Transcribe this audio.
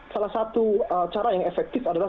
salah satu cara yang efektif adalah